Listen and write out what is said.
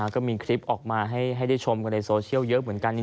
ก็มีคลิปออกมาให้ได้ชมกันในโซเชียลเยอะเหมือนกัน